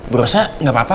berusaha gak apa apa